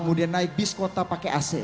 kemudian naik bis kota pakai ac